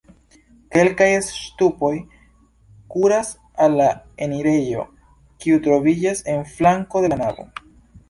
Kelkaj ŝtupoj kuras al la enirejo, kiu troviĝas en flanko de la navo.